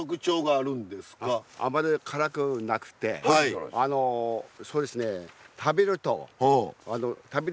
あまり辛くなくてあのそうですね